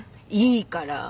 いいから。